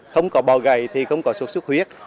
không có bỏ gậy thì không có sốt xuất huyết